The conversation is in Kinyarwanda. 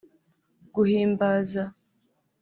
guhimbaza